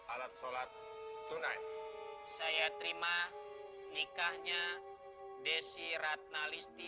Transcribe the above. alat sholat turai saya terima nikahnya desi ratnalisti